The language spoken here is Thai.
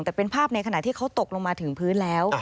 แต่เป็นภาพในขณะที่เขาตกลงมาถึงพื้นแล้ว